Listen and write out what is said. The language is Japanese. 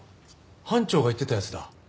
班長が言ってたやつだ。